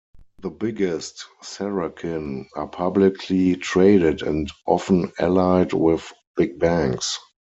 The biggest "sarakin" are publicly traded and often allied with big banks.